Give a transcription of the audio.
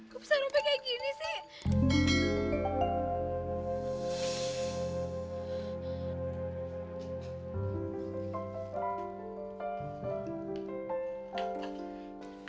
kok besar rumpit kayak gini sih